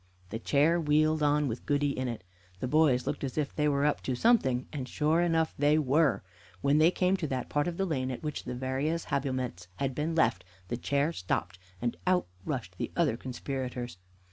The chair wheeled on with Goody in it. The boys looked as if they were up to something, and sure enough they were. When they came to that part of the lane at which the various habiliments had been left, the chair stopped, and out rushed the other conspirators.